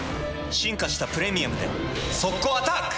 進化した「プレミアム」で速攻アタック！